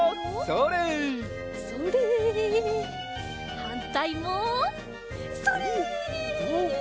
はんたいもそれ！